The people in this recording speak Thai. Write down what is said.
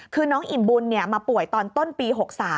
คือน้องอิ่มบุญมาป่วยตอนต้นปี๖๓